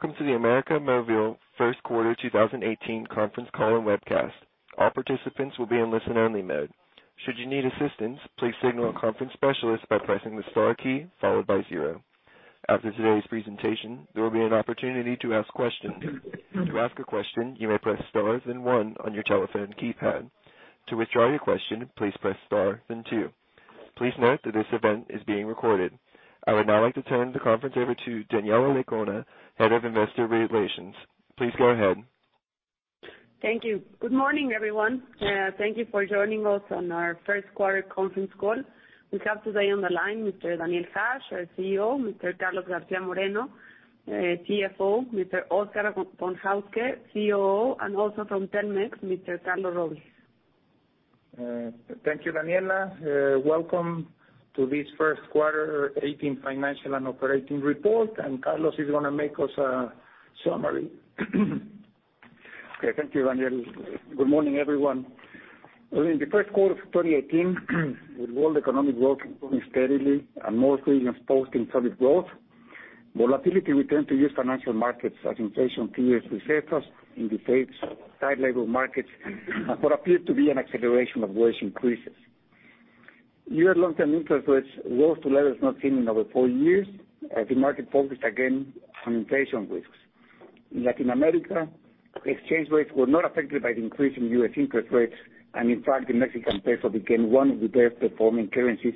Welcome to the América Móvil first quarter 2018 conference call and webcast. All participants will be in listen-only mode. Should you need assistance, please signal a conference specialist by pressing the star key followed by 0. After today's presentation, there will be an opportunity to ask questions. To ask a question, you may press star, then 1 on your telephone keypad. To withdraw your question, please press star, then 2. Please note that this event is being recorded. I would now like to turn the conference over to Daniela Lecuona, Head of Investor Relations. Please go ahead. Thank you. Good morning, everyone. Thank you for joining us on our first quarter conference call. We have today on the line Mr. Daniel Hajj, our CEO, Mr. Carlos Garcia Moreno, CFO, Mr. Óscar von Hauske, COO, and also from Telmex, Mr. Carlos Robles. Thank you, Daniela. Welcome to this first quarter 2018 financial and operating report. Carlos is going to make us a summary. Okay. Thank you, Daniel. Good morning, everyone. During the first quarter of 2018, the world economic growth improving steadily and most regions posting solid growth. Volatility returned to U.S. financial markets as inflation fears resurfaced in the face of tight labor markets and what appeared to be an acceleration of wage increases. Year long-term interest rates rose to levels not seen in over four years, as the market focused again on inflation risks. In Latin America, exchange rates were not affected by the increase in U.S. interest rates, in fact, the Mexican peso became one of the best performing currencies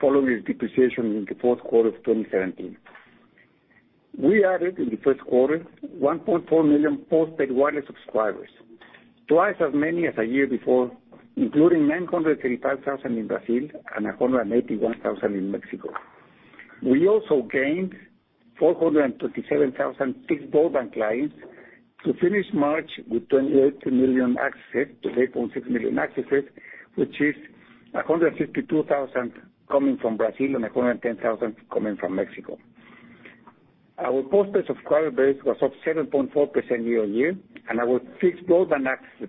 following its depreciation in the fourth quarter of 2017. We added, in the first quarter, 1.4 million postpaid wireless subscribers, twice as many as a year before, including 935,000 in Brazil and 181,000 in Mexico. We also gained 427,000 fixed broadband clients to finish March with 28 million accesses, 28.6 million accesses, which is 152,000 coming from Brazil and 110,000 coming from Mexico. Our postpaid subscriber base was up 7.4% year-over-year, and our fixed broadband access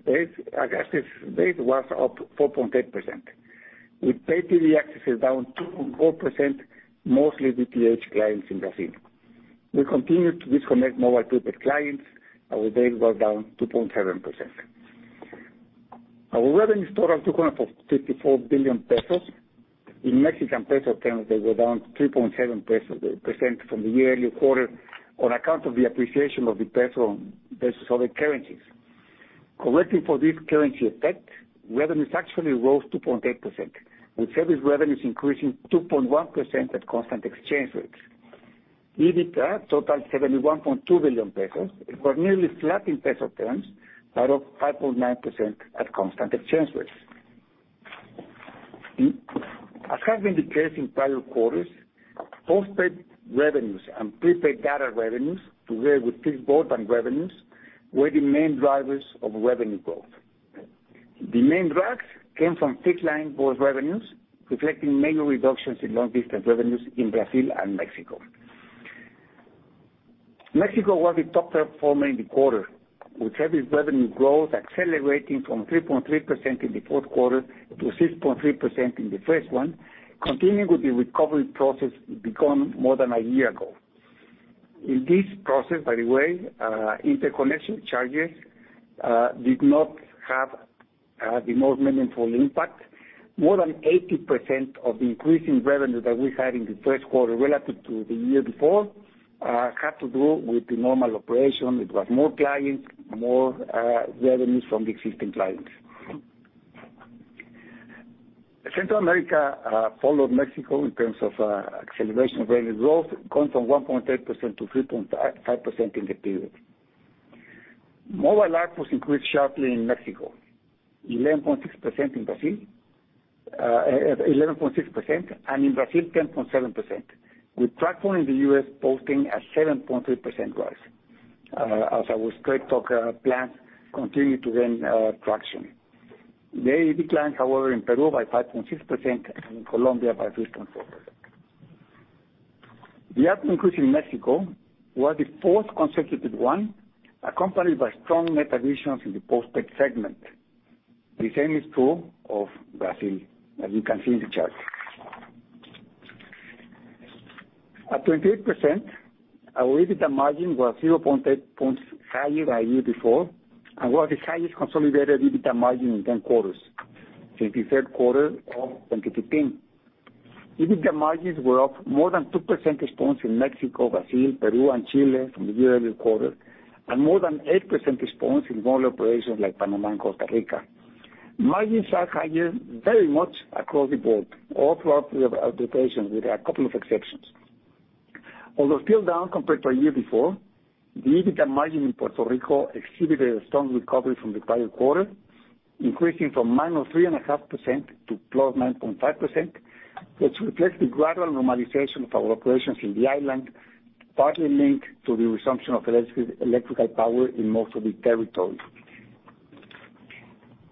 base was up 4.8%. With pay TV accesses down 2.4%, mostly DTH clients in Brazil. We continued to disconnect mobile prepaid clients. Our base was down 2.7%. Our revenue totaled 254 billion pesos. In Mexican peso terms, they were down 3.7% from the year-earlier quarter on account of the appreciation of the peso versus other currencies. Correcting for this currency effect, revenues actually rose 2.8%, with service revenues increasing 2.1% at constant exchange rates. EBITDA totaled 71.2 billion pesos. It was nearly flat in MXN terms, but up 5.9% at constant exchange rates. Has been the case in prior quarters, postpaid revenues and prepaid data revenues, together with fixed broadband revenues, were the main drivers of revenue growth. The main drags came from fixed line voice revenues, reflecting mainly reductions in long distance revenues in Brazil and Mexico. Mexico was the top performing in the quarter, with service revenue growth accelerating from 3.3% in the fourth quarter to 6.3% in the first quarter, continuing with the recovery process begun more than a year ago. In this process, by the way, interconnection charges did not have the most meaningful impact. More than 80% of the increase in revenue that we had in the first quarter relative to the year before, had to do with the normal operation. It was more clients, more revenues from the existing clients. Central America followed Mexico in terms of acceleration of revenue growth going from 1.8% to 3.5% in the period. Mobile ARPU increased sharply in Mexico, 11.6% in Brazil, 10.7%, with Tracfone in the U.S. posting a 7.3% rise. Our Straight Talk plans continue to gain traction. They declined, however, in Peru by 5.6% and in Colombia by 3.4%. The ARPU increase in Mexico was the fourth consecutive quarter, accompanied by strong net additions in the postpaid segment. The same is true of Brazil, as you can see in the chart. At 28%, our EBITDA margin was 0.8 points higher than a year before and was the highest consolidated EBITDA margin in 10 quarters, since the third quarter of 2015. EBITDA margins were up more than 2% points in Mexico, Brazil, Peru, and Chile from the year-earlier quarter, and more than 8% points in smaller operations like Panama and Costa Rica. Margins are higher very much across the board, all throughout the organization, with a couple of exceptions. Although still down compared to a year before, the EBITDA margin in Puerto Rico exhibited a strong recovery from the prior quarter, increasing from -3.5% to +9.5%, which reflects the gradual normalization of our operations in the island, partly linked to the resumption of electrical power in most of the territory.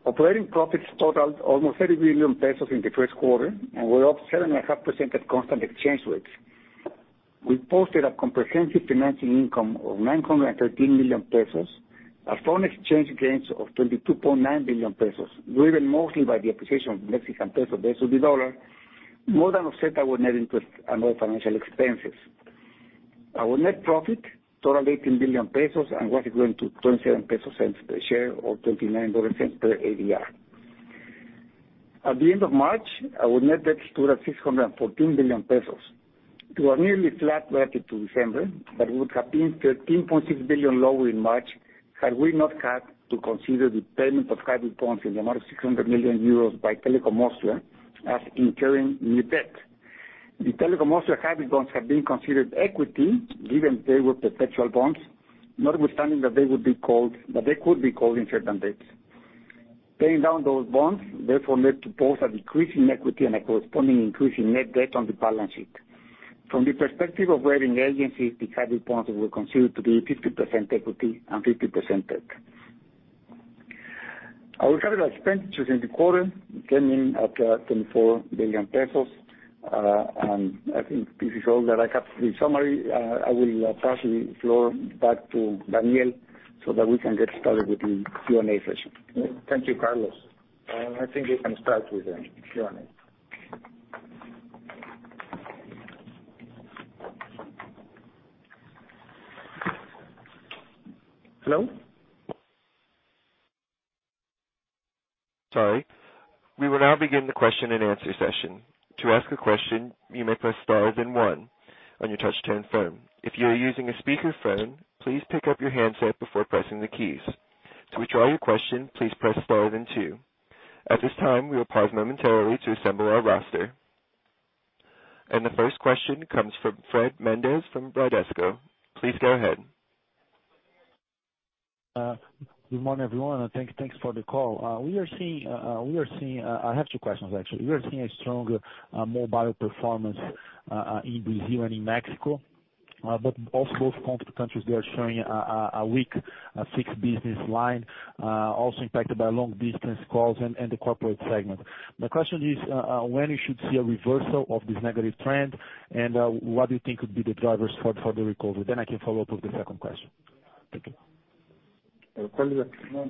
Operating profits totaled almost 30 billion pesos in the first quarter and were up 7.5% at constant exchange rates. We posted a comprehensive financial income of 913 million pesos, a foreign exchange gains of 22.9 billion pesos, driven mostly by the appreciation of Mexican peso versus the U.S. dollar more than offset our net interest and other financial expenses. Our net profit totaled 18 billion pesos and was equivalent to 0.27 per share or 0.29 per ADR. At the end of March, our net debt stood at 614 billion pesos to a nearly flat relative to December. We would have been 13.6 billion lower in March had we not had to consider the payment of hybrid bonds in the amount of €600 million by Telecom Italia as incurring new debt. The Telecom Italia hybrid bonds have been considered equity given they were perpetual bonds, notwithstanding that they could be called in certain dates. Paying down those bonds therefore led to both a decrease in equity and a corresponding increase in net debt on the balance sheet. From the perspective of rating agencies, the hybrid bonds were considered to be 50% equity and 50% debt. Our capital expenditures in the quarter came in at MXN 24 billion. I think this is all that I have. In summary, I will pass the floor back to Daniel so that we can get started with the Q&A session. Thank you, Carlos. I think we can start with the Q&A. Hello? Sorry. We will now begin the question and answer session. To ask a question, you may press star then one on your touch-tone phone. If you are using a speakerphone, please pick up your handset before pressing the keys. To withdraw your question, please press star then two. At this time, we will pause momentarily to assemble our roster. The first question comes from Fred Mendez from Bradesco. Please go ahead. Good morning, everyone, and thanks for the call. I have two questions, actually. We are seeing a stronger mobile performance in Brazil and in Mexico, both countries are showing a weak fixed business line, also impacted by long-distance calls and the corporate segment. My question is, when you should see a reversal of this negative trend and what do you think would be the drivers for the recovery? I can follow up with the second question. Thank you. Carlos. Well,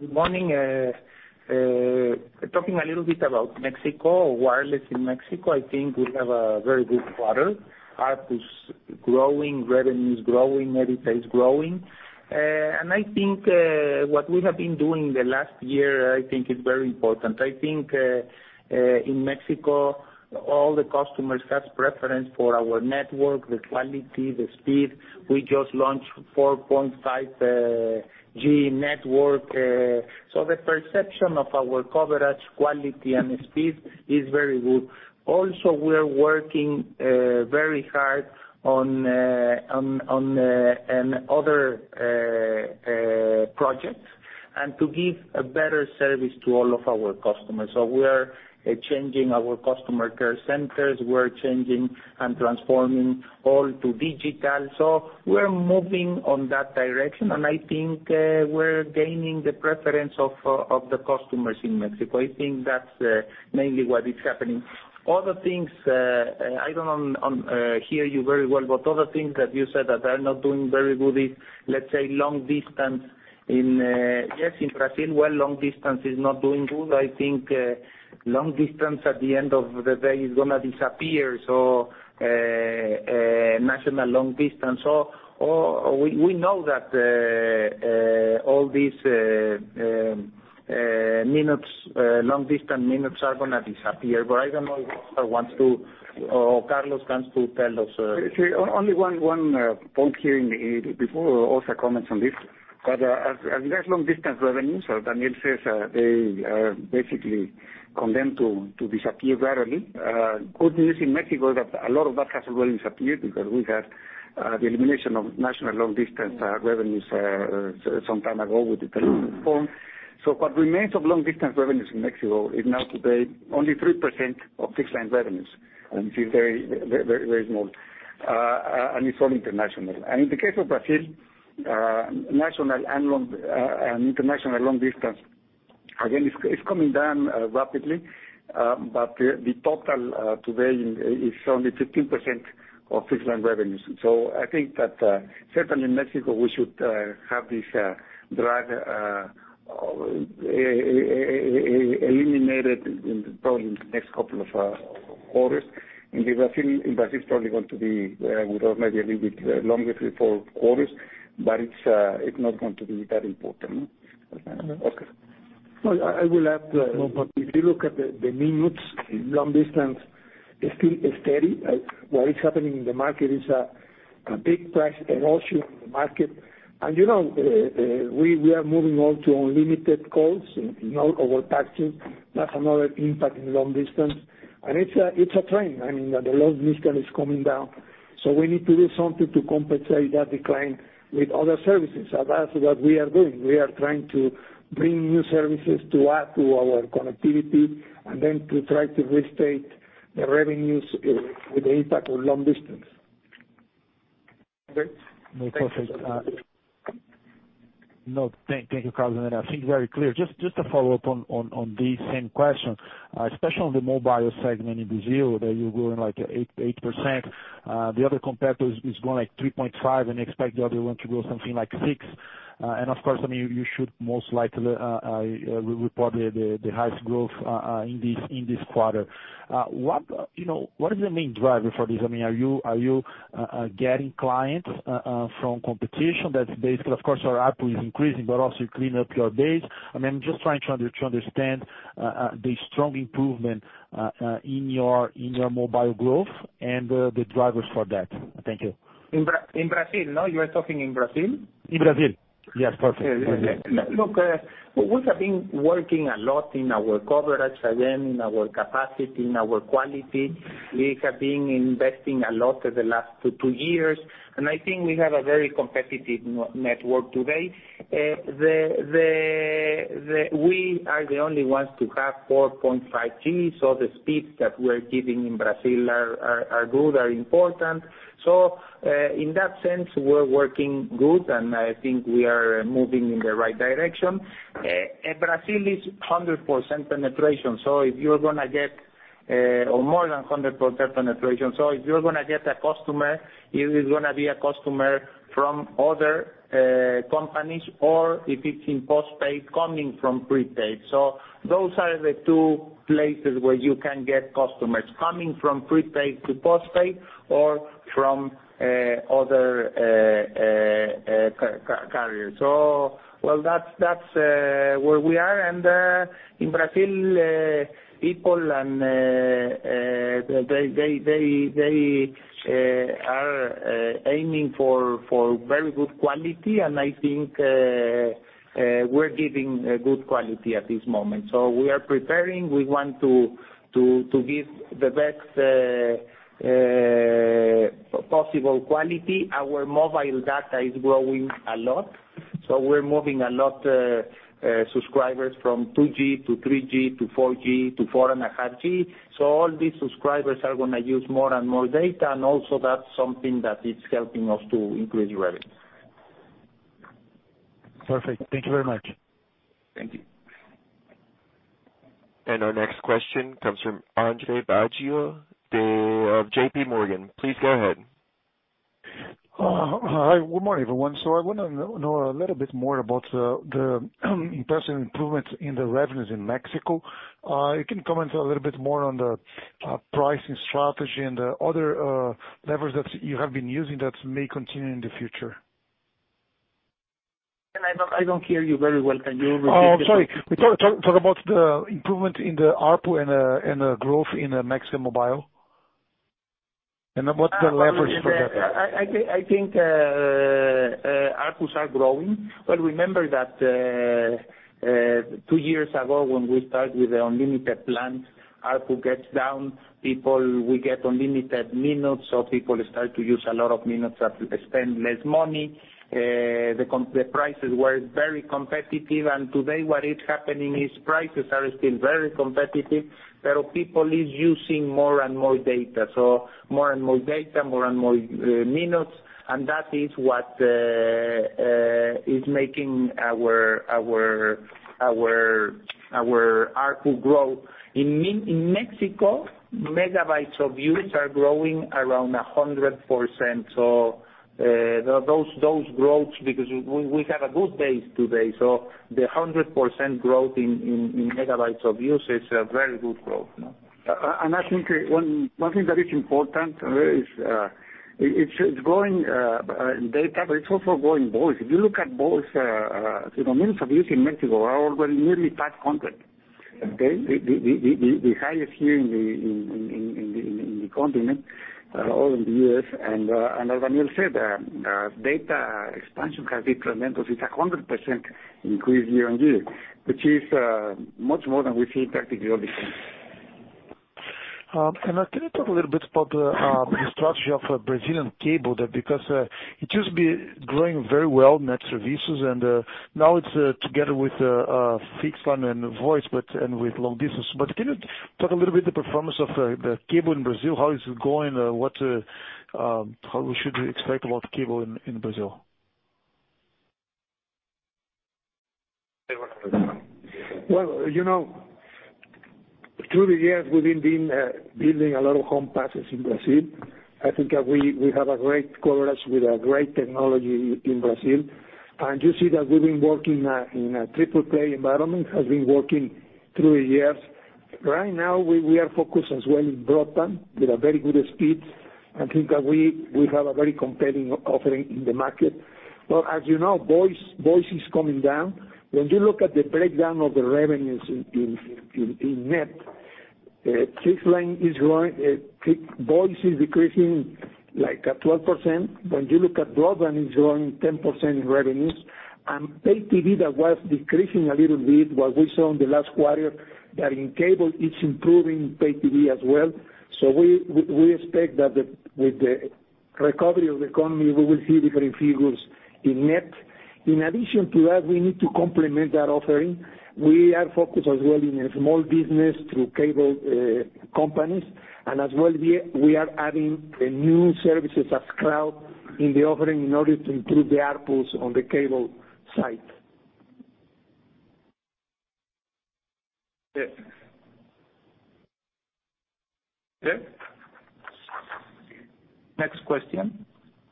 good morning. Talking a little bit about Mexico or wireless in Mexico, I think we have a very good quarter. ARPU's growing, revenue's growing, EBITDA is growing. I think what we have been doing the last year, I think is very important. I think, in Mexico, all the customers have preference for our network, the quality, the speed. We just launched 4.5G network. The perception of our coverage quality and speed is very good. Also, we are working very hard on other projects and to give a better service to all of our customers. We're changing our customer care centers. We're changing and transforming all to digital. We're moving on that direction, and I think we're gaining the preference of the customers in Mexico. I think that's mainly what is happening. Other things, I don't hear you very well, other things that you said that are not doing very good is, let's say, long distance in, yes, in Brazil, where long distance is not doing good. I think long distance, at the end of the day, is going to disappear, so national long distance. We know that all these long distance minutes are going to disappear, I don't know if Óscar wants to or Carlos wants to tell us. Only one point here before Óscar comments on this. As long-distance revenues, as Daniel says, they are basically condemned to disappear rapidly. Good news in Mexico that a lot of that has already disappeared because we had the elimination of national long distance revenues some time ago with the telephone. What remains of long distance revenues in Mexico is now today only 3% of fixed-line revenues, which is very small. It's all international. In the case of Brazil, national and international long distance, again, it's coming down rapidly, the total today is only 15% of fixed-line revenues. I think that certainly in Mexico, we should have this drag eliminated probably in the next couple of quarters. In Brazil, it's probably going to be, we don't know, maybe a little bit longer, three, four quarters, it's not going to be that important. Okay. Well, I will add, if you look at the minutes in long distance, it's still steady. What is happening in the market is a big price erosion in the market. We are moving on to unlimited calls in all our packages. That's another impact in long distance. It's a trend. The long distance is coming down. We need to do something to compensate that decline with other services. That's what we are doing. We are trying to bring new services to add to our connectivity and then to try to restate the revenues with the impact of long distance. Okay. Thank you so much No, thank you, Carlos. I think very clear. Just to follow up on the same question, especially on the mobile segment in Brazil, that you're growing like 8%. The other competitor is growing 3.5%, and expect the other one to grow something like 6%. Of course, you should most likely report the highest growth in this quarter. What is the main driver for this? Are you getting clients from competition that's basically, of course, your output is increasing, but also you clean up your base. I'm just trying to understand the strong improvement in your mobile growth and the drivers for that. Thank you. In Brazil, no? You are talking in Brazil? In Brazil. Yes, perfect. Okay. Look, we have been working a lot in our coverage, again, in our capacity, in our quality. We have been investing a lot for the last two years, I think we have a very competitive network today. We are the only ones to have 4.5G, the speeds that we're giving in Brazil are good, are important. In that sense, we're working good, and I think we are moving in the right direction. Brazil is 100% penetration, or more than 100% penetration. If you're going to get a customer, it is going to be a customer from other companies or if it's in postpaid, coming from prepaid. Those are the two places where you can get customers, coming from prepaid to postpaid or from other carriers. Well, that's where we are. In Brazil, people are aiming for very good quality, and I think we're giving good quality at this moment. We are preparing. We want to give the best possible quality. Our mobile data is growing a lot, we're moving a lot subscribers from 2G to 3G to 4G to 4.5G. All these subscribers are going to use more and more data, and also that's something that is helping us to increase revenue. Perfect. Thank you very much. Thank you. Our next question comes from Andre Baggio of JP Morgan. Please go ahead. Hi. Good morning, everyone. I want to know a little bit more about the impressive improvements in the revenues in Mexico. You can comment a little bit more on the pricing strategy and the other levers that you have been using that may continue in the future. I don't hear you very well. Can you repeat the question? Sorry. Talk about the improvement in the ARPU and growth in Mexico mobile, then what's the leverage for that? I think ARPUs are growing. Remember that two years ago, when we start with the unlimited plans, ARPU gets down. People will get unlimited minutes, people start to use a lot of minutes, spend less money. The prices were very competitive. Today what is happening is prices are still very competitive, but people is using more and more data. More and more data, more and more minutes, and that is what is making our ARPU grow. In Mexico, megabytes of use are growing around 100%. Those growths, because we have a good base today. The 100% growth in megabytes of use is a very good growth. I think one thing that is important is it's growing data, but it's also growing voice. If you look at voice, minutes of use in Mexico are already nearly past 100, okay? The highest here in the continent, all in the U.S. As Daniel said, data expansion has been tremendous. It's 100% increase year-on-year, which is much more than we see practically all the time. Can you talk a little bit about the structure of Brazilian cable there, because it used to be growing very well, NET services, and now it's together with fixed line and voice, and with long distance. Can you talk a little bit the performance of the cable in Brazil, how is it going? What we should expect about cable in Brazil. Well, through the years, we've been building a lot of home passes in Brazil. I think that we have a great coverage with a great technology in Brazil. You see that we've been working in a triple play environment, have been working through the years. Right now, we are focused as well in broadband with a very good speed. I think that we have a very compelling offering in the market. As you know, voice is coming down. When you look at the breakdown of the revenues in net, voice is decreasing 12%. When you look at broadband, it's growing 10% in revenues. Pay TV that was decreasing a little bit, what we saw in the last quarter, that in cable, it's improving pay TV as well. We expect that with the recovery of the economy, we will see different figures in net. In addition to that, we need to complement that offering. We are focused as well in a small business through cable companies. As well, we are adding a new services as cloud in the offering in order to improve the ARPUs on the cable side. Okay. Next question.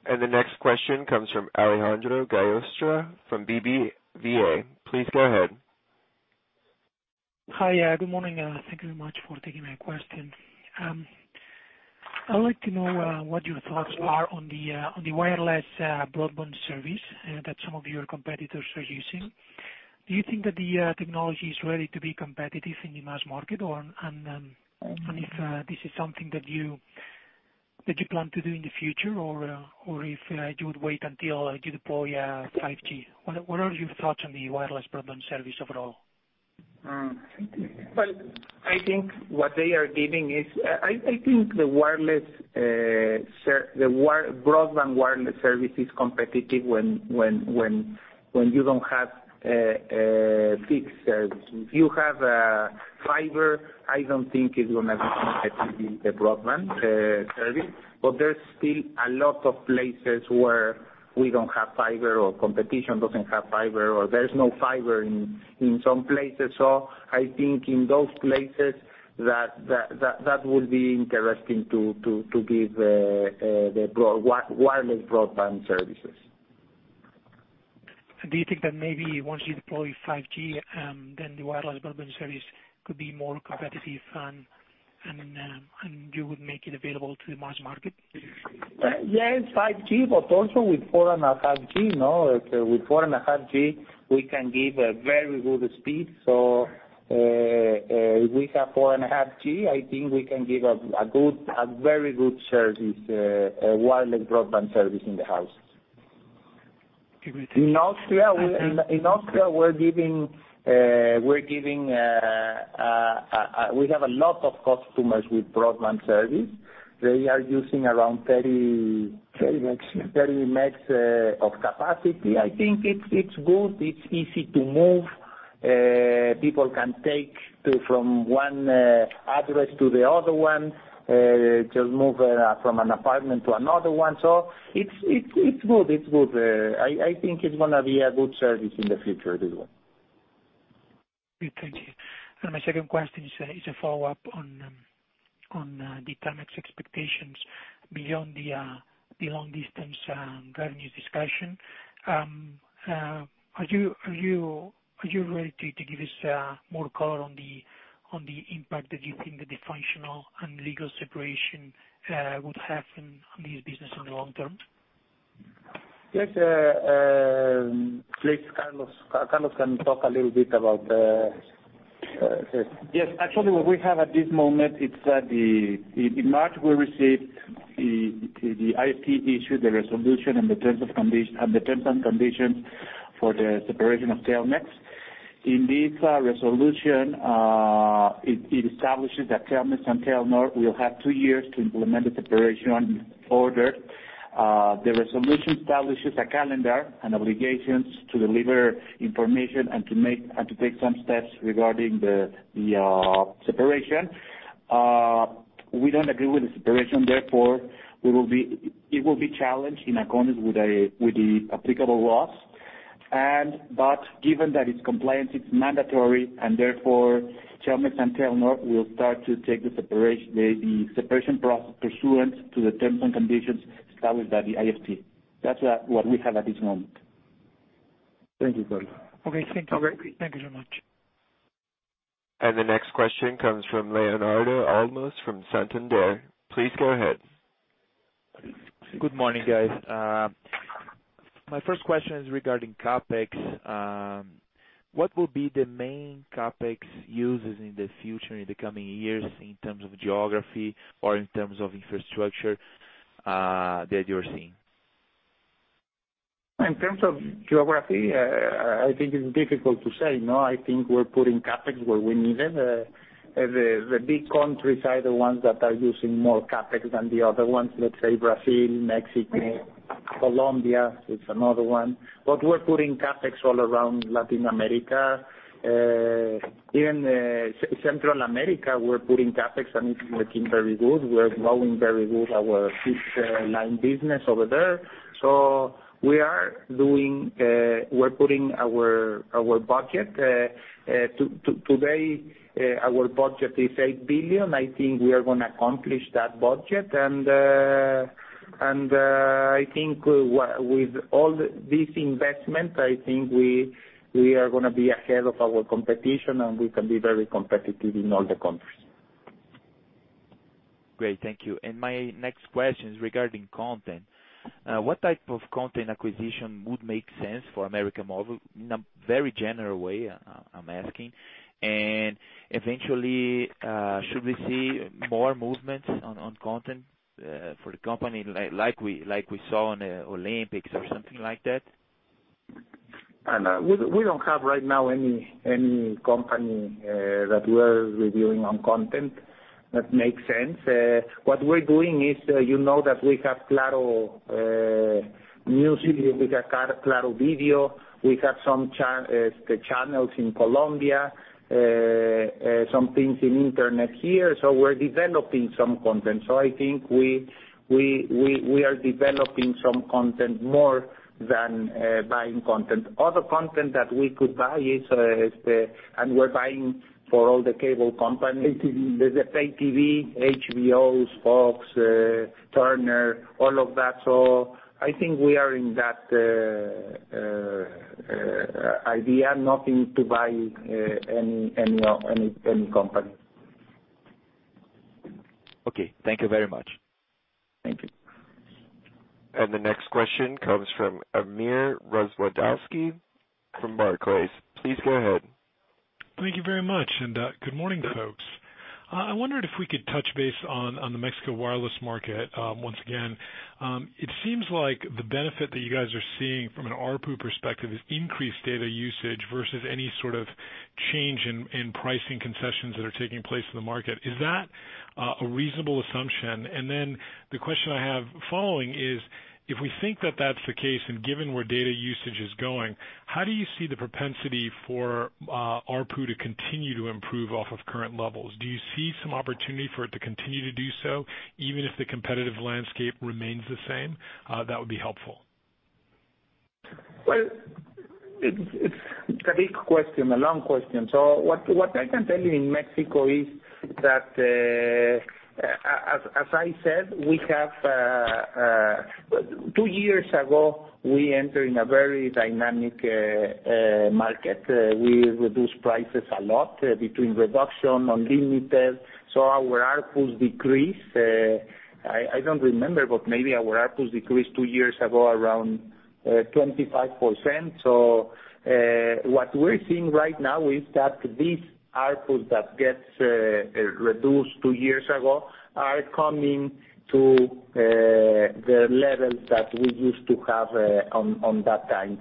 The next question comes from Alejandro Gallostra from BBVA. Please go ahead. Hi. Good morning, thank you very much for taking my question. I would like to know what your thoughts are on the wireless broadband service that some of your competitors are using. Do you think that the technology is ready to be competitive in the mass market? If this is something that you plan to do in the future, or if you would wait until you deploy 5G. What are your thoughts on the wireless broadband service overall? Well, I think what they are giving is, I think the broadband wireless service is competitive when you don't have a fixed service. If you have fiber, I don't think it's going to be competitive with the broadband service. There's still a lot of places where we don't have fiber or competition doesn't have fiber, or there's no fiber in some places. I think in those places that will be interesting to give the wireless broadband services. Do you think that maybe once you deploy 5G, the wireless broadband service could be more competitive and you would make it available to the mass market? Yes, 5G, also with 4.5G, no? With 4.5G, we can give a very good speed. If we have 4.5G, I think we can give a very good service, wireless broadband service in the houses. Okay. Thank you. In Austria, we have a lot of customers with broadband service. They are using around 30 megs of capacity. I think it's good. It's easy to move. People can take from one address to the other one, just move from an apartment to another one. It's good. I think it's going to be a good service in the future as well. Okay. Thank you. My second question is a follow-up on the Telmex expectations beyond the long distance guidance discussion. Are you ready to give us more color on the impact that you think the dysfunctional and legal separation would have on this business in the long term? Yes. Please, Carlos. Carlos can talk a little bit about. Yes. Actually, what we have at this moment, it's that in March, we received the IFT issue, the resolution, and the terms and conditions for the separation of Telmex. In this resolution, it establishes that Telmex and Telnor will have 2 years to implement the separation order. The resolution establishes a calendar and obligations to deliver information and to take some steps regarding the separation. We don't agree with the separation, therefore, it will be challenged in accordance with the applicable laws. Given that it's compliant, it's mandatory, and therefore, Telmex and Telnor will start to take the separation process pursuant to the terms and conditions established by the IFT. That's what we have at this moment. Thank you, Carlos. Okay. Thank you. All right. Thank you very much. The next question comes from Leonardo Olmos from Santander. Please go ahead. Good morning, guys. My first question is regarding CapEx. What will be the main CapEx uses in the future, in the coming years, in terms of geography or in terms of infrastructure, that you're seeing? In terms of geography, I think it's difficult to say, no? I think we're putting CapEx where we need it. The big countries are the ones that are using more CapEx than the other ones. Let's say Brazil, Mexico, Colombia is another one. We're putting CapEx all around Latin America. Even Central America, we're putting CapEx, and it's working very good. We're growing very good our fixed line business over there. We're putting our budget. Today, our budget is $8 billion. I think we are going to accomplish that budget. I think with all this investment, I think we are going to be ahead of our competition, and we can be very competitive in all the countries. Great. Thank you. My next question is regarding content. What type of content acquisition would make sense for América Móvil? In a very general way, I'm asking. Eventually, should we see more movements on content for the company, like we saw in the Olympics or something like that? We don't have right now any company that we're reviewing on content that makes sense. What we're doing is, you know that we have Claro música, we have Claro video. We have some channels in Colombia, some things in internet here. We're developing some content. I think we are developing some content more than buying content. Other content that we could buy is, and we're buying for all the cable companies, the pay TV, HBO, Fox, Turner, all of that. I think we are in that idea, nothing to buy any company. Okay. Thank you very much. Thank you. The next question comes from Amir Rozwadowski from Barclays. Please go ahead. Thank you very much, good morning, folks. I wondered if we could touch base on the Mexico wireless market once again. It seems like the benefit that you guys are seeing from an ARPU perspective is increased data usage versus any sort of change in pricing concessions that are taking place in the market. Is that a reasonable assumption? Then the question I have following is, if we think that that's the case, and given where data usage is going, how do you see the propensity for ARPU to continue to improve off of current levels? Do you see some opportunity for it to continue to do so, even if the competitive landscape remains the same? That would be helpful. It's a big question, a long question. What I can tell you in Mexico is that, as I said, two years ago, we enter in a very dynamic market. We reduce prices a lot between reduction, unlimited, so our ARPUs decrease. I don't remember, but maybe our ARPUs decreased two years ago around 25%. What we're seeing right now is that this ARPU that gets reduced two years ago are coming to the levels that we used to have on that time.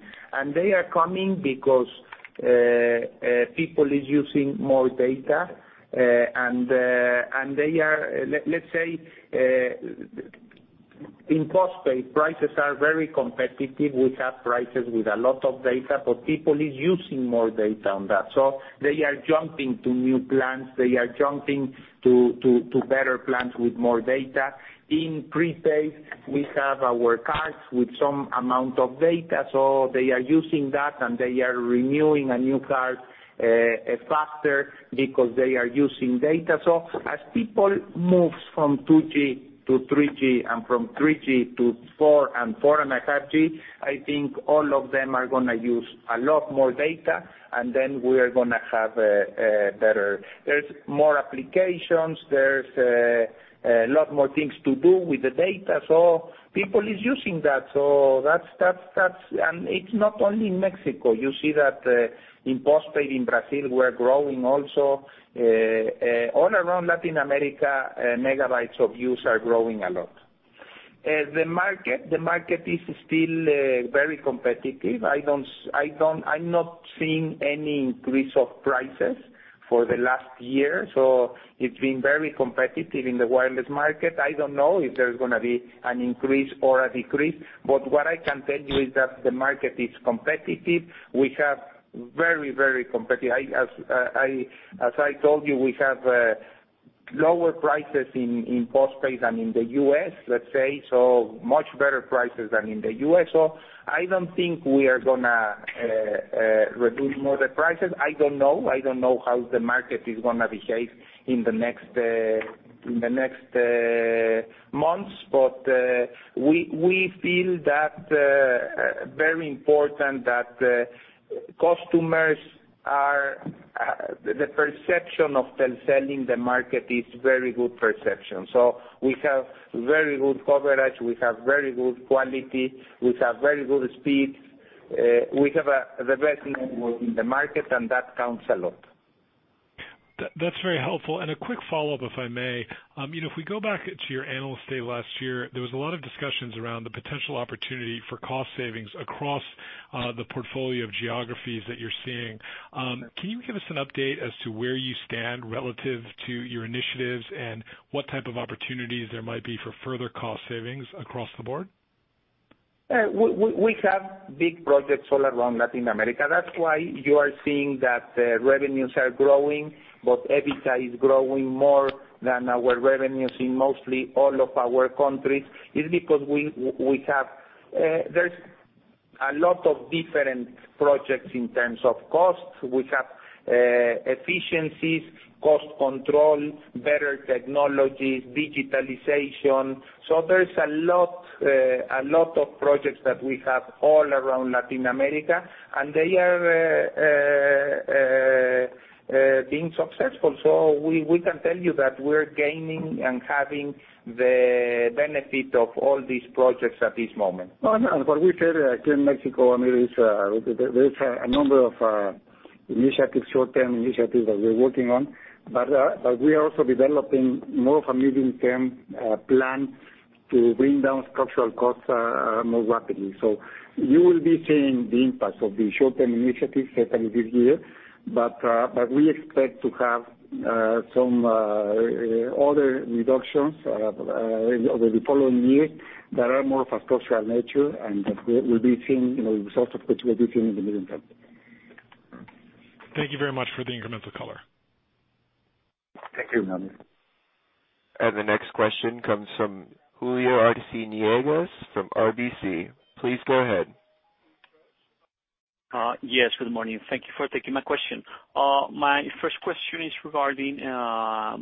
They are coming because people is using more data, and they are, let's say, in postpaid, prices are very competitive. We have prices with a lot of data, but people is using more data on that. They are jumping to new plans. They are jumping to better plans with more data. In prepaid, we have our cards with some amount of data. They are using that, and they are renewing a new card faster because they are using data. As people moves from 2G to 3G and from 3G to 4 and 4.5G, I think all of them are gonna use a lot more data, and then we are gonna have better. There's more applications. There's a lot more things to do with the data. People is using that. It's not only in Mexico. You see that in postpaid in Brazil, we're growing also. All around Latin America, megabytes of use are growing a lot. The market is still very competitive. I'm not seeing any increase of prices for the last year, so it's been very competitive in the wireless market. I don't know if there's gonna be an increase or a decrease, but what I can tell you is that the market is competitive. We have very competitive. As I told you, we have lower prices in postpaid than in the U.S., let's say, so much better prices than in the U.S. I don't think we are gonna reduce more the prices. I don't know how the market is gonna behave in the next months. We feel that very important that customers are, the perception of Telcel in the market is very good perception. We have very good coverage. We have very good quality. We have very good speed. We have the best network in the market, and that counts a lot. That's very helpful. A quick follow-up, if I may. If we go back to your Analyst Day last year, there was a lot of discussions around the potential opportunity for cost savings across the portfolio of geographies that you're seeing. Can you give us an update as to where you stand relative to your initiatives and what type of opportunities there might be for further cost savings across the board? We have big projects all around Latin America. That's why you are seeing that revenues are growing, but EBITDA is growing more than our revenues in mostly all of our countries. It's because there's a lot of different projects in terms of costs. We have efficiencies, cost control, better technologies, digitalization. There's a lot of projects that we have all around Latin America, and they are being successful. We can tell you that we're gaining and having the benefit of all these projects at this moment. What we said in Mexico, Amir, is there is a number of initiatives, short-term initiatives that we're working on. We are also developing more of a medium-term plan to bring down structural costs more rapidly. You will be seeing the impact of the short-term initiatives certainly this year. We expect to have some other reductions over the following years that are more of a structural nature, and that we'll be seeing results of which we'll be seeing in the medium term. Thank you very much for the incremental color. Thank you. The next question comes from Julio Arce from RBC. Please go ahead. Yes, good morning. Thank you for taking my question. My first question is regarding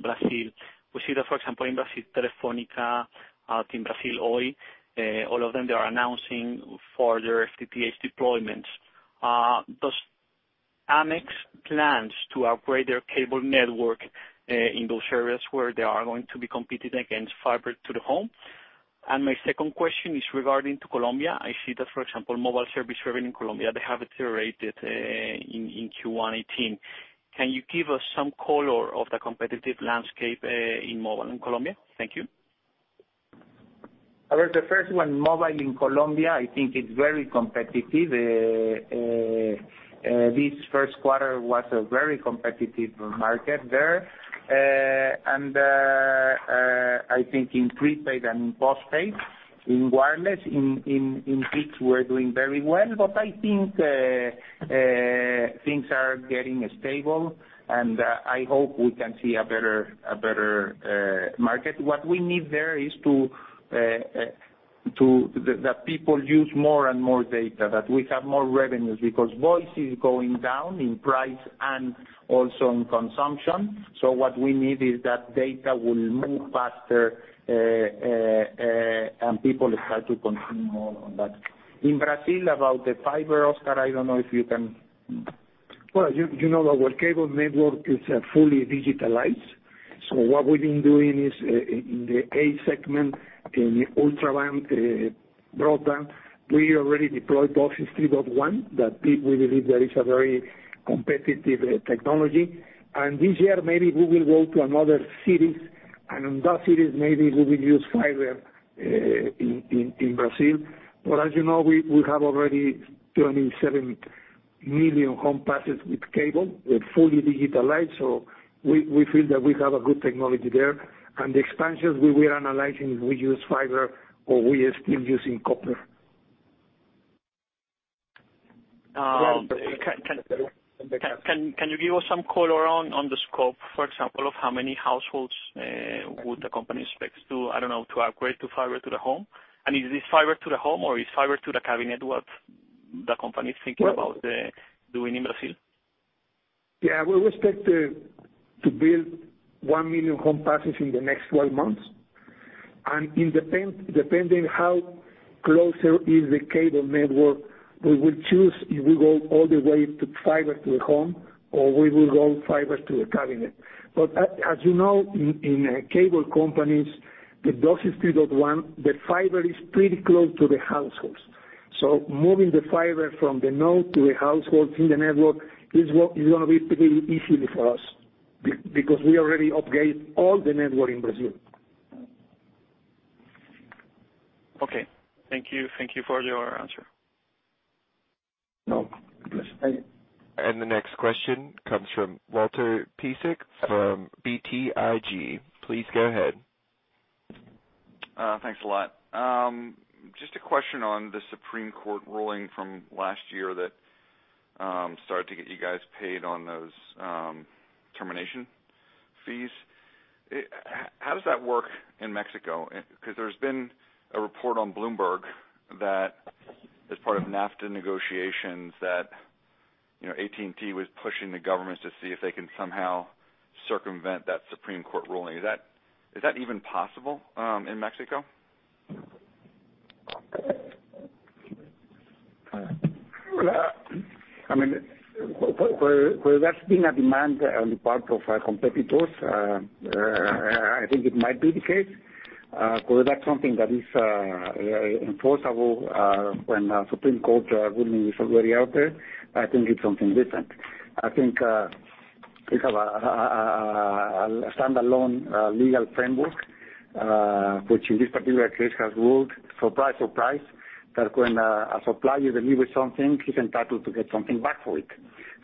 Brazil. We see that, for example, in Brazil, Telefónica, TIM Brasil, Oi, all of them, they are announcing for their FTTH deployments. Does AMX plan to upgrade their cable network in those areas where they are going to be competing against fiber to the home? My second question is regarding to Colombia. I see that, for example, mobile service revenue in Colombia, they have it iterated in Q1 2018. Can you give us some color of the competitive landscape in mobile in Colombia? Thank you. The first one, mobile in Colombia, I think it's very competitive. This first quarter was a very competitive market there. I think in prepaid and postpaid in wireless, in fixed, we're doing very well. I think things are getting stable, and I hope we can see a better market. What we need there is that people use more and more data, that we have more revenues, because voice is going down in price and also in consumption. What we need is that data will move faster, and people start to consume more on that. In Brazil, about the fiber, Óscar, I don't know if you can Well, you know our cable network is fully digitalized. What we've been doing is in the A segment, in the ultra broadband, we already deployed DOCSIS 3.1 that we believe that is a very competitive technology. This year, maybe we will go to another cities, and in that cities, maybe we will use fiber in Brazil. As you know, we have already 27 million home passes with cable. We're fully digitalized, so we feel that we have a good technology there. The expansions, we are analyzing if we use fiber or we are still using copper. Can you give us some color on the scope, for example, of how many households would the company expect to, I don't know, to upgrade to fiber to the home? Is this fiber to the home, or is fiber to the cabinet what the company is thinking about doing in Brazil? Yeah, we expect to build 1 million home passes in the next 12 months. Depending how closer is the cable network, we will choose if we go all the way to fiber to the home or we will go fiber to the cabinet. As you know, in cable companies, the DOCSIS 3.1, the fiber is pretty close to the households. Moving the fiber from the node to the households in the network is going to be pretty easy for us, because we already upgraded all the network in Brazil. Okay. Thank you. Thank you for your answer. No, a pleasure. Thank you. The next question comes from Walter Piecyk from BTIG. Please go ahead. Thanks a lot. Just a question on the Supreme Court ruling from last year that started to get you guys paid on those termination fees. How does that work in Mexico? Because there's been a report on Bloomberg that as part of NAFTA negotiations that AT&T was pushing the governments to see if they can somehow circumvent that Supreme Court ruling. Is that even possible in Mexico? Where that's been a demand on the part of our competitors, I think it might be the case. Whether that's something that is enforceable when a Supreme Court ruling is already out there, I think it's something different. I think we have a standalone legal framework, which in this particular case has ruled, surprise, that when a supplier delivers something, he's entitled to get something back for it,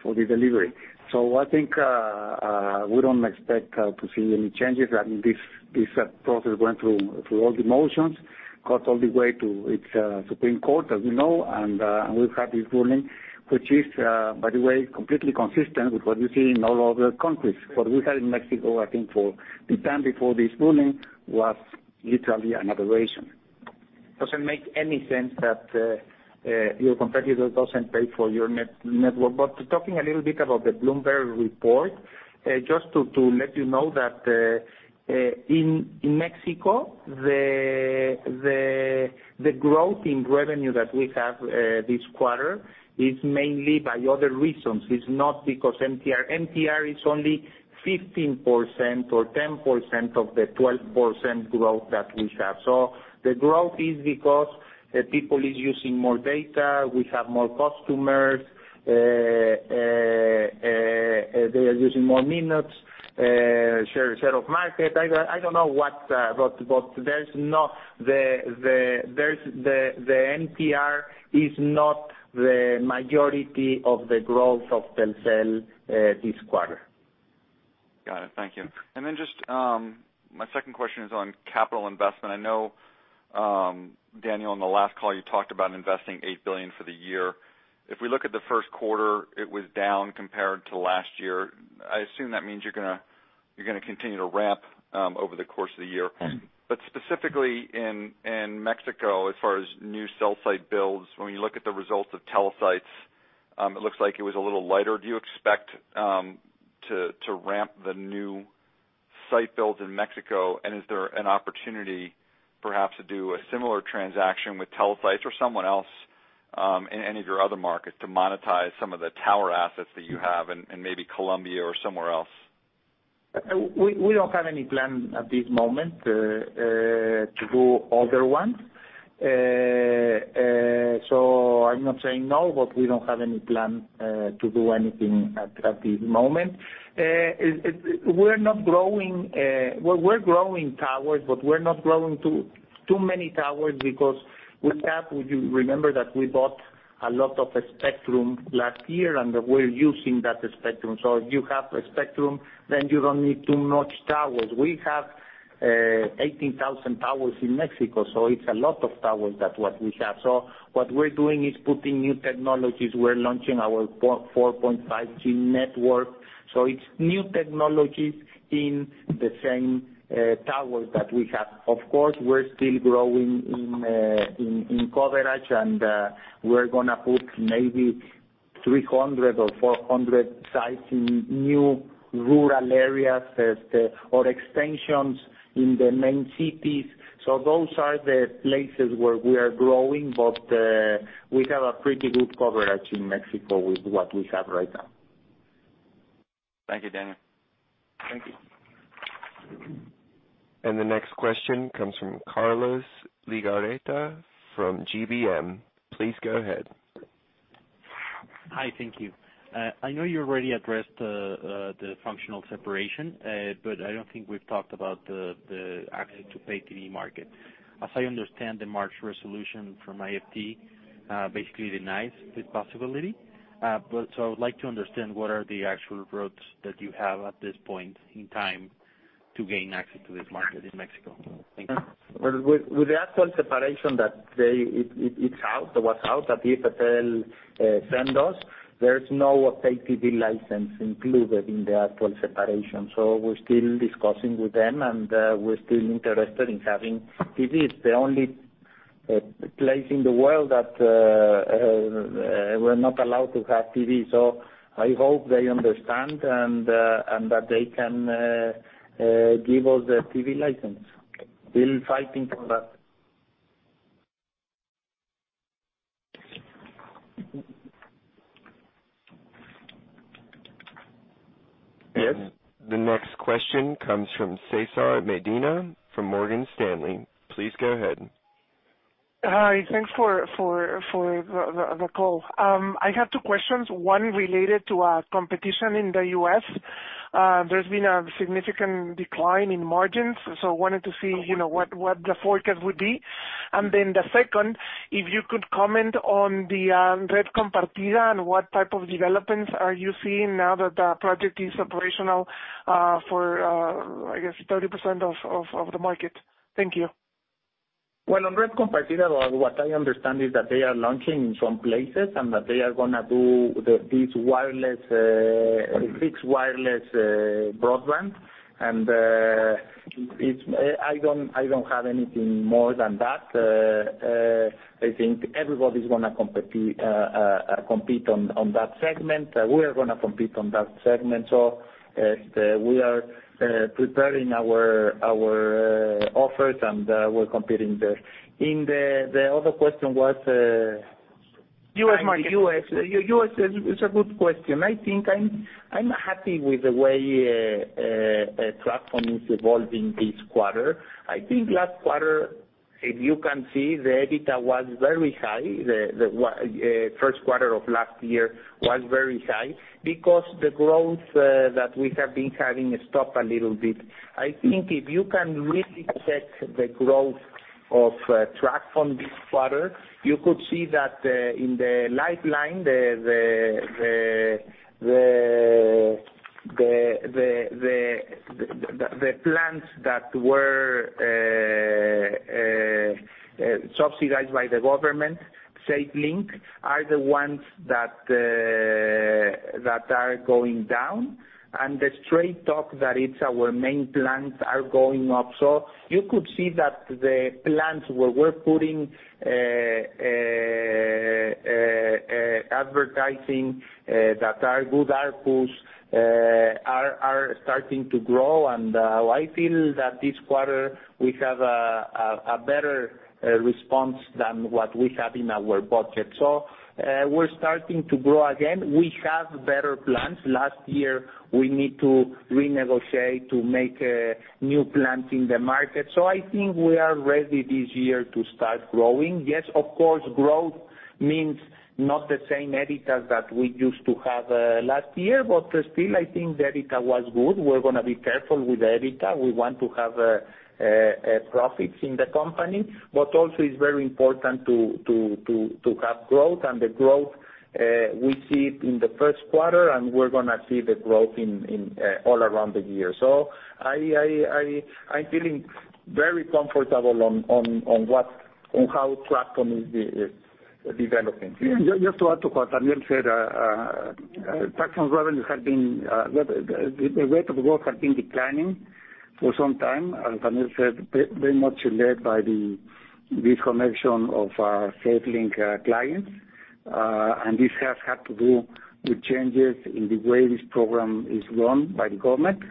for the delivery. I think we don't expect to see any changes. This process went through all the motions, got all the way to its Supreme Court, as we know, and we've had this ruling, which is, by the way, completely consistent with what you see in all other countries. What we had in Mexico, I think for the time before this ruling, was literally an aberration. Doesn't make any sense that your competitor doesn't pay for your network. Talking a little bit about the Bloomberg report, just to let you know that in Mexico, the growth in revenue that we have this quarter is mainly by other reasons. It's not because NPR. NPR is only 15% or 10% of the 12% growth that we have. The growth is because people is using more data. We have more customers. They are using more minutes, share of market. I don't know what, but the NPR is not the majority of the growth of Telcel this quarter. Got it. Thank you. My second question is on capital investment. I know, Daniel, on the last call, you talked about investing $8 billion for the year. If we look at the first quarter, it was down compared to last year. I assume that means you're going to continue to ramp over the course of the year. Specifically in Mexico, as far as new cell site builds, when we look at the results of Telesites, it looks like it was a little lighter. Do you expect to ramp the new site builds in Mexico? Is there an opportunity perhaps to do a similar transaction with Telesites or someone else in any of your other markets to monetize some of the tower assets that you have in maybe Colombia or somewhere else? We don't have any plan at this moment to do other ones. I'm not saying no, but we don't have any plan to do anything at this moment. We're growing towers, but we're not growing too many towers because with that, you remember that we bought a lot of spectrum last year, and we're using that spectrum. If you have a spectrum, then you don't need too much towers. We have 18,000 towers in Mexico, it's a lot of towers that we have. What we're doing is putting new technologies. We're launching our 4.5G network, it's new technologies in the same towers that we have. Of course, we're still growing in coverage, and we're going to put maybe 300 or 400 sites in new rural areas, or extensions in the main cities. Those are the places where we are growing, but we have a pretty good coverage in Mexico with what we have right now. Thank you, Daniel. Thank you. The next question comes from Carlos Legarreta from GBM. Please go ahead. Hi, thank you. I know you already addressed the functional separation, I don't think we've talked about the access to pay TV market. As I understand, the March resolution from IFT basically denies this possibility. I would like to understand what are the actual routes that you have at this point in time to gain access to this market in Mexico. Thank you. With the actual separation that it's out, that was out, that IFT sent us, there's no pay TV license included in the actual separation. We're still discussing with them, and we're still interested in having TV. It's the only place in the world that we're not allowed to have TV. I hope they understand and that they can give us the TV license. Still fighting for that. Yes. The next question comes from Cesar Medina from Morgan Stanley. Please go ahead. Hi. Thanks for the call. I have two questions, one related to competition in the U.S. There's been a significant decline in margins, wanted to see what the forecast would be. The second, if you could comment on the Red Compartida and what type of developments are you seeing now that the project is operational for, I guess, 30% of the market. Thank you. Well, on Red Compartida, what I understand is that they are launching in some places, and that they are going to do this fixed wireless broadband. I don't have anything more than that. I think everybody's going to compete on that segment. We are going to compete on that segment. We are preparing our offers, we're competing there. The other question was? U.S. market. U.S. It's a good question. I think I'm happy with the way Tracfone is evolving this quarter. I think last quarter, if you can see, the EBITDA was very high. The first quarter of last year was very high because the growth that we have been having stopped a little bit. I think if you can really check the growth of Tracfone this quarter, you could see that in the lifeline, the plans that were subsidized by the government, SafeLink, are the ones that are going down. The Straight Talk, that it's our main plans, are going up. You could see that the plans where we're putting advertising that are good, are cool, are starting to grow. I feel that this quarter we have a better response than what we have in our budget. We're starting to grow again. We have better plans. Last year, we need to renegotiate to make new plans in the market. I think we are ready this year to start growing. Of course, growth means not the same EBITDA that we used to have last year, but still, I think the EBITDA was good. We're going to be careful with EBITDA. We want to have profits in the company. Also it's very important to have growth, and the growth, we see it in the first quarter, and we're going to see the growth all around the year. I'm feeling very comfortable on how Tracfone is developing. Just to add to what Daniel said, Tracfone's revenues, the rate of growth had been declining For some time, as Daniel said, very much led by the disconnection of our SafeLink clients. This has had to do with changes in the way this program is run by the government.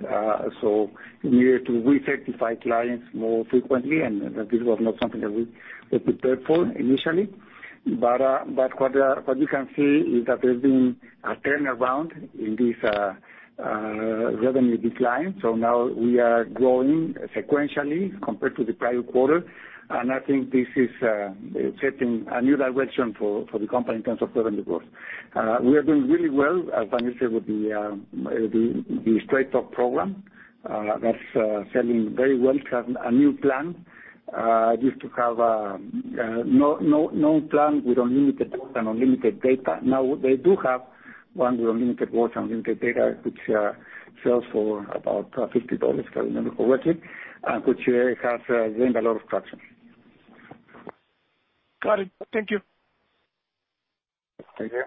We needed to recertify clients more frequently, and this was not something that we prepared for initially. What you can see is that there's been a turnaround in this revenue decline. Now we are growing sequentially compared to the prior quarter, and I think this is setting a new direction for the company in terms of revenue growth. We are doing really well, as Daniel said, with the Straight Talk program. That's selling very well. A new plan, used to have no plan with unlimited talk and unlimited data. Now they do have one with unlimited talk and unlimited data, which sells for about $50, if I remember correctly, which has gained a lot of traction. Got it. Thank you. Thank you.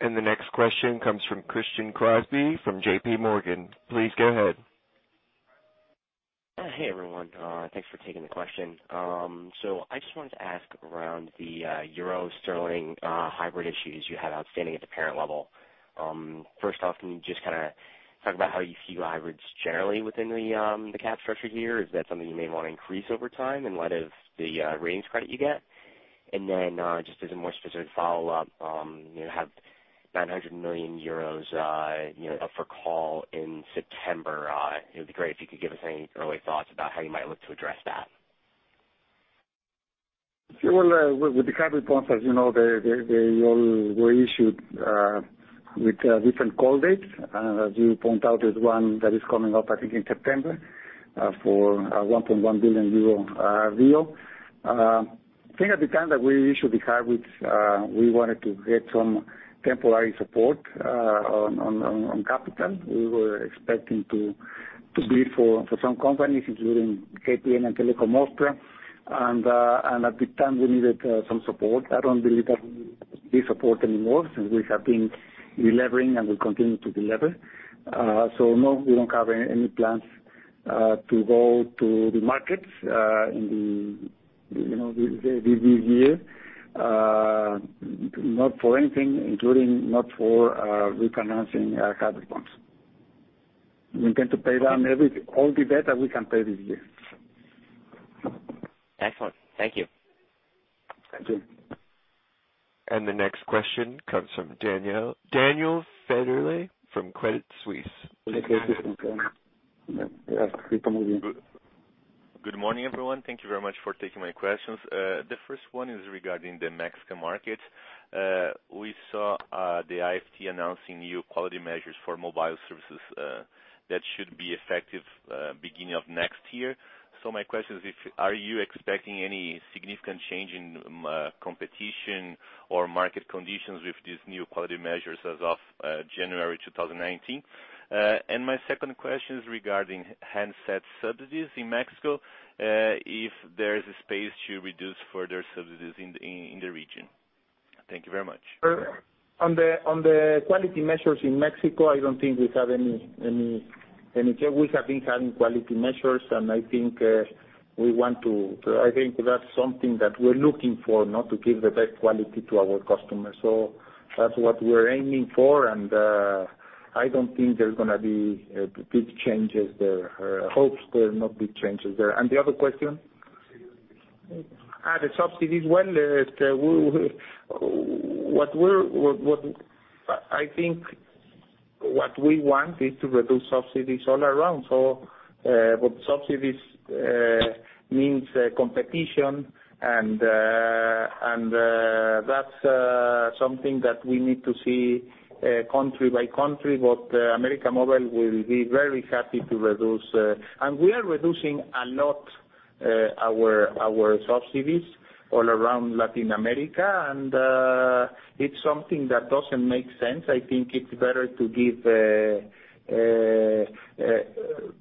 The next question comes from Christian Crosby from JP Morgan. Please go ahead. Hey, everyone. Thanks for taking the question. I just wanted to ask around the euro sterling hybrid issues you have outstanding at the parent level. First off, can you just talk about how you view hybrids generally within the cap structure here? Is that something you may want to increase over time in light of the ratings credit you get? Just as a more specific follow-up, you have 900 million euros up for call in September. It would be great if you could give us any early thoughts about how you might look to address that. Yeah, well, with the hybrid bonds, as you know, they all were issued with different call dates. As you point out, there's one that is coming up, I think, in September, for 1.1 billion euro deal. I think at the time that we issued the hybrids, we wanted to get some temporary support on capital. We were expecting to bid for some companies, including KPN and Telekom Austria, and at the time, we needed some support. I don't believe that we need support anymore since we have been delevering, and we continue to delever. No, we don't have any plans to go to the market this year, not for anything, including not for re-financing hybrid bonds. We intend to pay down all the debt that we can pay this year. Excellent. Thank you. Thank you. The next question comes from Daniel Federle from Credit Suisse. Yes, keep moving. Good morning, everyone. Thank you very much for taking my questions. The first one is regarding the Mexican market. My question is, are you expecting any significant change in competition or market conditions with these new quality measures as of January 2019? My second question is regarding handset subsidies in Mexico, if there is a space to reduce further subsidies in the region. Thank you very much. On the quality measures in Mexico, I don't think we have any change. We have been having quality measures, and I think that's something that we're looking for, now to give the best quality to our customers. That's what we're aiming for, and I don't think there's going to be big changes there, or hopes there not big changes there. The other question? Subsidies. The subsidies. Well, I think what we want is to reduce subsidies all around. Subsidies means competition, and that's something that we need to see country by country. América Móvil will be very happy to reduce. We are reducing a lot our subsidies all around Latin America, and it's something that doesn't make sense. I think it's better to give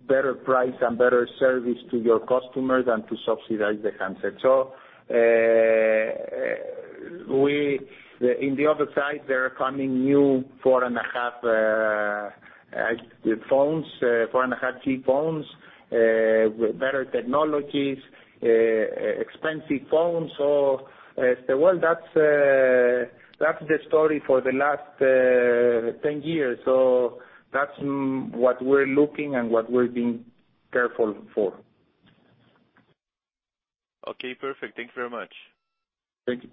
better price and better service to your customer than to subsidize the handset. In the other side, there are coming new 4.5G phones with better technologies, expensive phones. Well, that's the story for the last 10 years. That's what we're looking and what we're being careful for. Okay, perfect. Thank you very much. Thank you.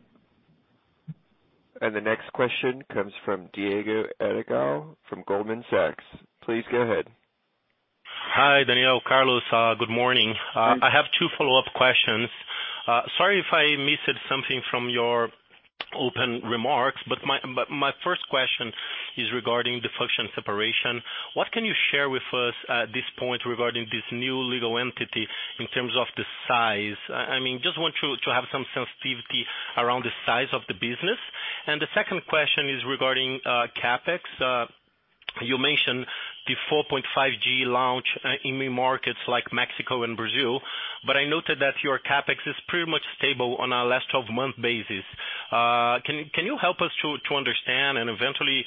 The next question comes from Diego Arrioja from Goldman Sachs. Please go ahead. Hi, Daniel, Carlos. Good morning. Good morning. I have two follow-up questions. Sorry if I missed something from your open remarks, My first question is regarding the function separation. What can you share with us at this point regarding this new legal entity in terms of the size? I just want to have some sensitivity around the size of the business. The second question is regarding CapEx. You mentioned the 4.5G launch in new markets like Mexico and Brazil, but I noted that your CapEx is pretty much stable on a last 12-month basis. Can you help us to understand and eventually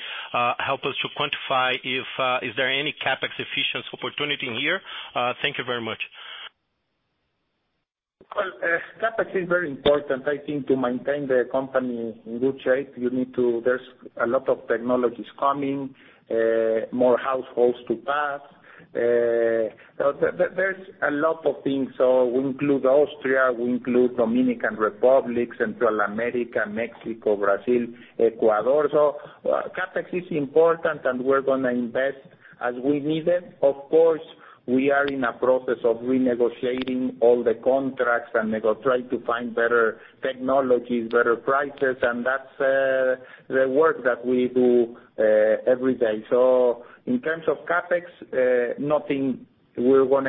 help us to quantify if is there any CapEx efficiency opportunity here? Thank you very much. CapEx is very important, I think, to maintain the company in good shape. There's a lot of technologies coming, more households to pass. There's a lot of things. We include Austria, we include Dominican Republic, Central America, Mexico, Brazil, Ecuador. CapEx is important, and we're going to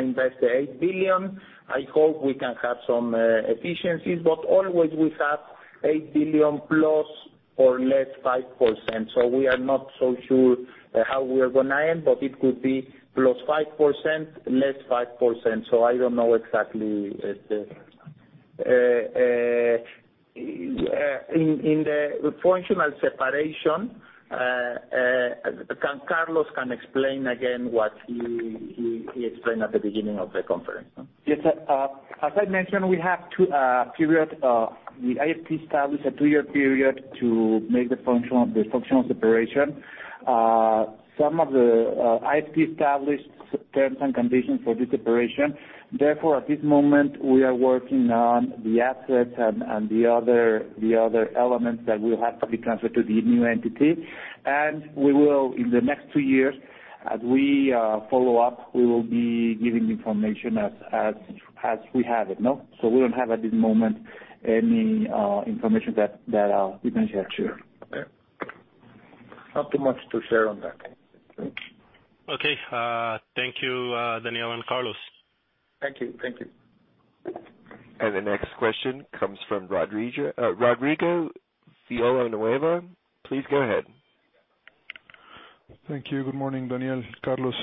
invest $8 billion. I hope we can have some efficiencies, Always we have $8 billion plus or less 5%. We are not so sure how we are going to end, but it could be plus 5%, less 5%. I don't know exactly. In the functional separation, Carlos can explain again what he explained at the beginning of the conference. Yes. As I mentioned, we have two periods. The IFT established a two-year period to make the functional separation. Some of the IFT established terms and conditions for this separation. At this moment, we are working on the assets and the other elements that will have to be transferred to the new entity. We will, in the next two years, as we follow up, we will be giving information as we have it. We don't have, at this moment, any information that we can share, sure. Not too much to share on that. Okay. Thank you, Daniel and Carlos. Thank you. Thank you. The next question comes from Rodrigo Villanueva. Please go ahead. Thank you. Good morning, Daniel, Carlos.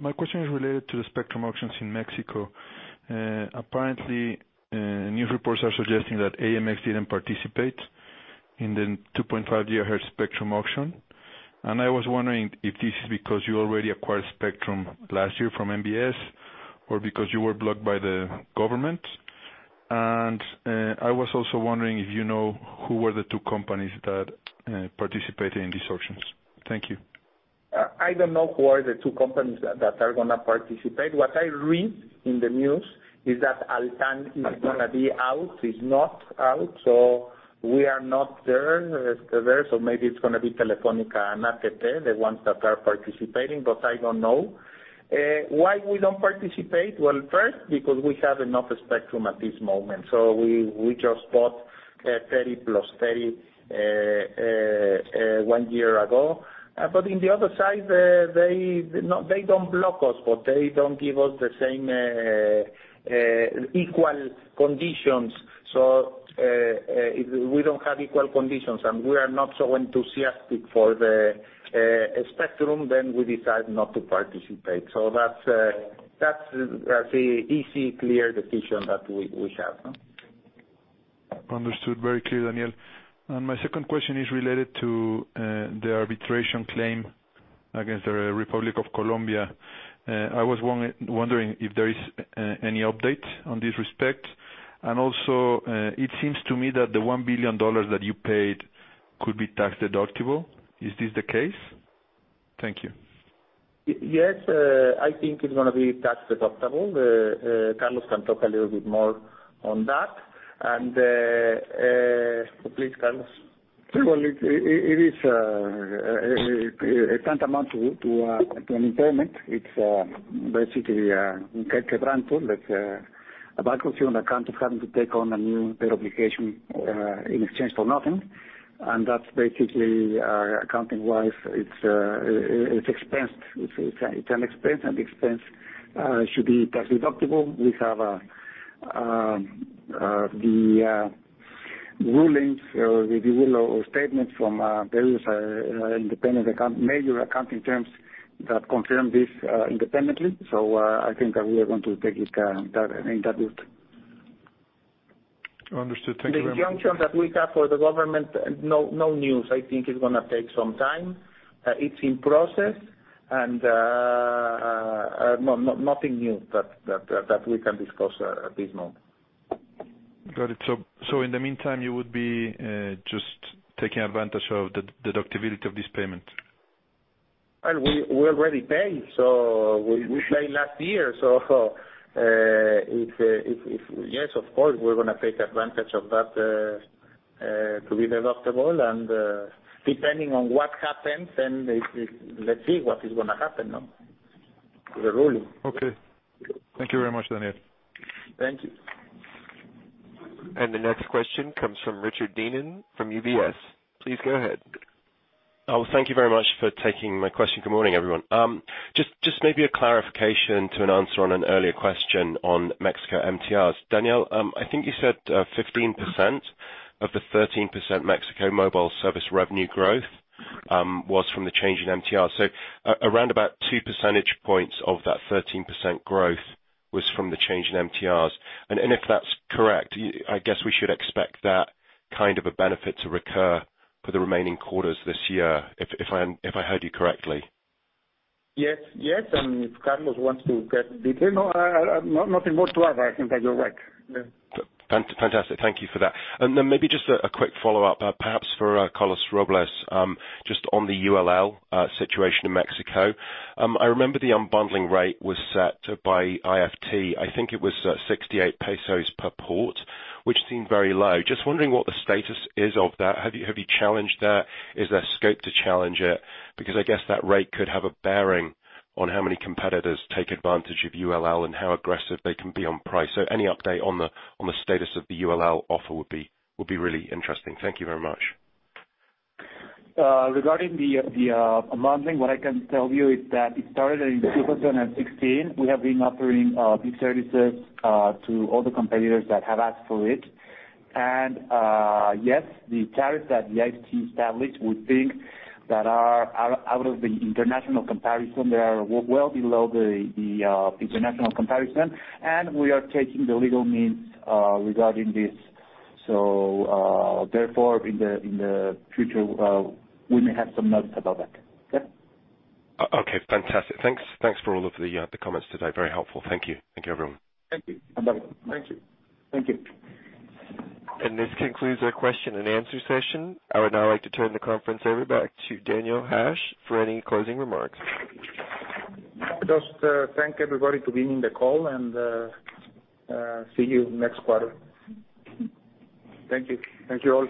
My question is related to the spectrum auctions in Mexico. Apparently, news reports are suggesting that AMX didn't participate in the 2.5 gigahertz spectrum auction. I was wondering if this is because you already acquired spectrum last year from MVS or because you were blocked by the government. I was also wondering if you know who were the two companies that participated in these auctions. Thank you. I don't know who are the two companies that are going to participate. What I read in the news is that Altán is going to be out. It's not out, so we are not there. Maybe it's going to be Telefónica and AT&T, the ones that are participating, but I don't know. Why we don't participate? First, because we have enough spectrum at this moment, so we just bought 30 plus 30 a year ago. On the other side, they don't block us, but they don't give us the same equal conditions. If we don't have equal conditions and we are not so enthusiastic for the spectrum, then we decide not to participate. That's the easy, clear decision that we have. Understood. Very clear, Daniel. My second question is related to the arbitration claim against the Republic of Colombia. I was wondering if there is any update on this respect. It seems to me that the $1 billion that you paid could be tax-deductible. Is this the case? Thank you. I think it's going to be tax-deductible. Carlos can talk a little bit more on that. Please, Carlos. It is tantamount to an impairment. It's basically a ‹quebranto›. That's a bankruptcy on account of having to take on a new obligation in exchange for nothing. That's basically accounting wise, it's an expense, and the expense should be tax-deductible. We have the rulings, the rule or statement from various independent accounting, major accounting firms that confirm this independently. I think that we are going to take it in that route. Understood. Thank you very much. The injunction that we have for the government. No news. I think it's going to take some time. It's in process, nothing new that we can discuss at this moment. Got it. In the meantime, you would be just taking advantage of the deductibility of this payment? Well, we already paid, we paid last year. Yes, of course, we're going to take advantage of that to be deductible, depending on what happens, let's see what is going to happen, the ruling. Okay. Thank you very much, Daniel. Thank you. The next question comes from Richard Dineen from UBS. Please go ahead. Thank you very much for taking my question. Good morning, everyone. Just maybe a clarification to an answer on an earlier question on Mexico MTRs. Daniel, I think you said 15% of the 13% Mexico mobile service revenue growth was from the change in MTR. So around about two percentage points of that 13% growth was from the change in MTRs. If that's correct, I guess we should expect that kind of a benefit to recur for the remaining quarters this year, if I heard you correctly. Yes. If Carlos wants to get detail. No, nothing more to add. I think that you're right. Fantastic. Thank you for that. Then maybe just a quick follow-up, perhaps for Carlos Robles, just on the ULL situation in Mexico. I remember the unbundling rate was set by IFT. I think it was 68 pesos per port, which seemed very low. Just wondering what the status is of that. Have you challenged that? Is there scope to challenge it? Because I guess that rate could have a bearing on how many competitors take advantage of ULL and how aggressive they can be on price. Any update on the status of the ULL offer would be really interesting. Thank you very much. Regarding the unbundling, what I can tell you is that it started in 2016. We have been offering these services to all the competitors that have asked for it. Yes, the tariffs that the IFT established, we think that are out of the international comparison. They are well below the international comparison, and we are taking the legal means regarding this. Therefore, in the future, we may have some notes about that. Okay? Okay. Fantastic. Thanks for all of the comments today. Very helpful. Thank you. Thank you, everyone. Thank you. Bye-bye. Thank you. Thank you. This concludes our question and answer session. I would now like to turn the conference over back to Daniel Hajj for any closing remarks. Just thank everybody for being in the call and see you next quarter. Thank you. Thank you all.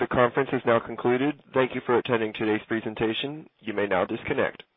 The conference is now concluded. Thank you for attending today's presentation. You may now disconnect.